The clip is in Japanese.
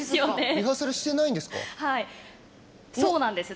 リハーサルしていないんですか？